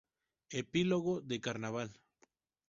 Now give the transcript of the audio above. Epílogo del Carnaval.